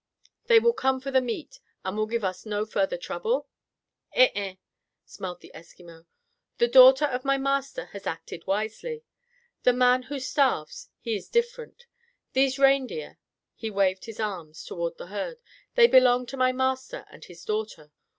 "They will come for the meat, and will give us no further trouble?" "Eh eh" smiled the Eskimo. "The daughter of my master has acted wisely. The man who starves, he is different. These reindeer," he waved his arms toward the herd, "they belong to my master and his daughter.